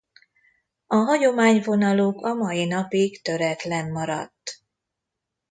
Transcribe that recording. A hagyományvonaluk a mai napig töretlen maradt.